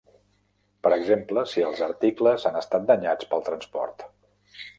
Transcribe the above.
Per exemple, si els articles han estat danyats pel transport.